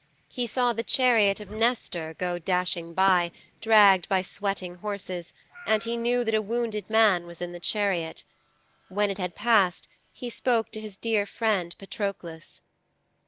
He saw the chariot of Nestor go dashing by, dragged by sweating horses, and he knew that a wounded man was in the chariot. When it had passed he spoke to his dear friend Patroklos.